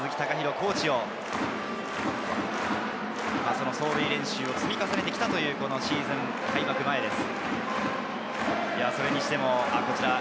コーチの走塁練習を積み重ねてきたというシーズン開幕前です。